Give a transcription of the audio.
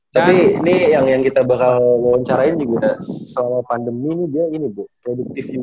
tapi ini yang kita bakal wawancarain juga selama pandemi ini dia ini bu produktif